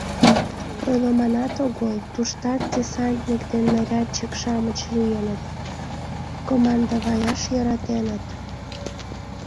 Ойлыманат огыл, туштат десятник ден нарядчик-шамыч лийыныт, командоваяш йӧратеныт.